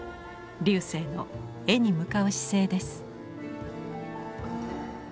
劉生の絵に向かう姿勢です。